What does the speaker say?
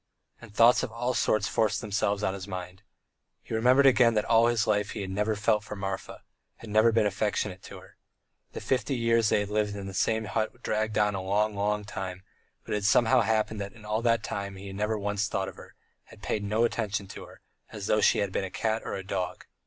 And thoughts of all sorts forced themselves on his mind. He remembered again that all his life he had never felt for Marfa, had never been affectionate to her. The fifty two years they had lived in the same hut had dragged on a long, long time, but it had somehow happened that in all that time he had never once thought of her, had paid no attention to her, as though she had been a cat or a dog.